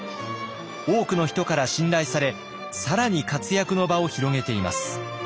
多くの人から信頼され更に活躍の場を広げています。